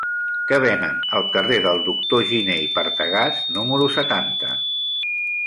Què venen al carrer del Doctor Giné i Partagàs número setanta?